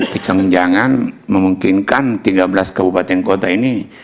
kecenjangan memungkinkan tiga belas kabupaten kota ini